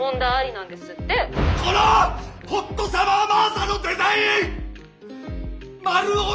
ホットサマー・マーサのデザインッ！